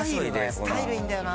スタイルいいんだよな。